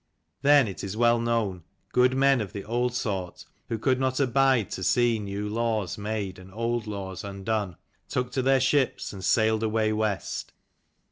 Then, it is well known, good men of the old sort, who could not abide to see new laws made and old laws undone, took to their ships and sailed away west.